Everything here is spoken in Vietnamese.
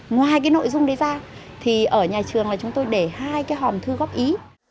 ngoài cái nội dung đấy ra thì ở nhà trường là chúng tôi để hai cái hòm thư góp ý